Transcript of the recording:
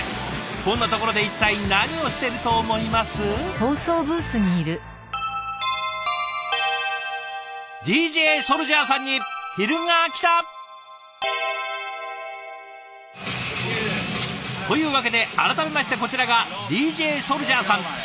こんなところで一体何をしてると思います？というわけで改めましてこちらがＤＪＳＯＵＬＪＡＨさん。